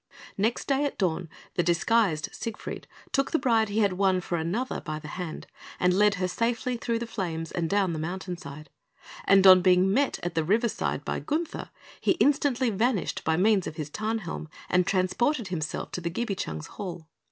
Next day, at dawn, the disguised Siegfried took the bride he had won for another by the hand, and led her safely through the flames and down the mountain side, and on being met at the river side by Gunther, he instantly vanished by means of his Tarnhelm, and transported himself to the Gibichungs' Hall.